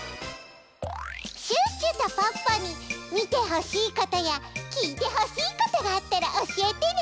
シュッシュとポッポにみてほしいことやきいてほしいことがあったらおしえてね！